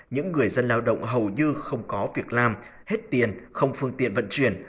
những người dân lao động hầu như không có việc làm hết tiền không phương tiện vận chuyển